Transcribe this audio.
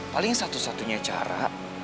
paling satu satunya cara